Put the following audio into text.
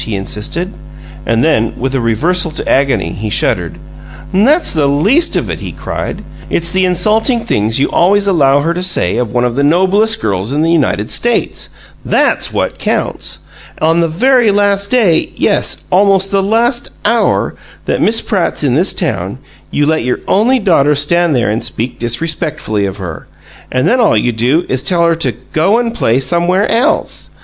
he insisted, and then, with a reversal to agony, he shuddered. "That's the least of it!" he cried. "It's the insulting things you always allow her to say of one of the noblest girls in the United States THAT'S what counts! On the very last day yes, almost the last hour that Miss Pratt's in this town, you let your only daughter stand there and speak disrespectfully of her and then all you do is tell her to 'go and play somewhere else'!